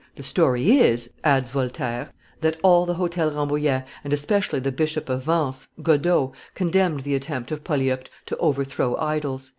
"The story is," adds Voltaire, "that all the Hotel Rambouillet, and especially the Bishop of Vence, Godeau, condemned the attempt of Polyeucte to overthrow idols."